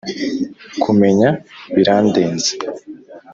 kumenya birandenze,